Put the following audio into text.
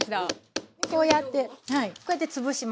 こうやってはいこうやってつぶします。